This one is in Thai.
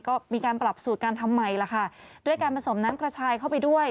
ก็มีการปรับสูตรการทำใหม่ล่ะค่ะด้วยการผสมน้ำกระชายเข้าไปด้วย